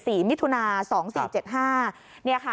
มิถุนาสองสี่เจ็ดห้าเนี่ยค่ะ